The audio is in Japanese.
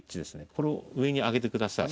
これを上に上げてください。